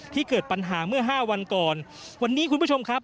เกิดปัญหาเมื่อห้าวันก่อนวันนี้คุณผู้ชมครับ